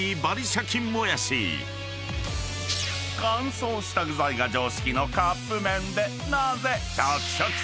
［乾燥した具材が常識のカップ麺で］